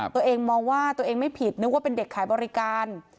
ตัวเองมองว่าตัวเองไม่ผิดนึกว่าเป็นเด็กขายบริการ